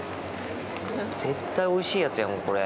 絶対おいしいやつやん、これ。